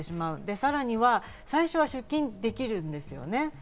さらには最初は出金できるんですよね。